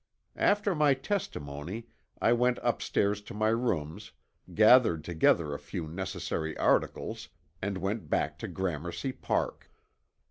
After my testimony I went upstairs to my rooms, gathered together a few necessary articles and went back to Gramercy Park.